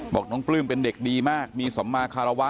บอกน้องปลื้มเป็นเด็กดีมากมีสัมมาคารวะ